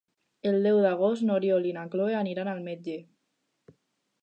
El deu d'agost n'Oriol i na Cloè aniran al metge.